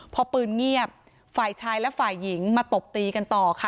พอปืนเงียบฝ่ายชายและฝ่ายหญิงมาตบตีกันต่อค่ะ